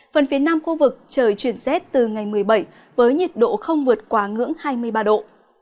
phần phía nam khu vực trời chuyển rét từ ngày một mươi bảy với nhiệt độ không vượt quá ngưỡng hai mươi ba độ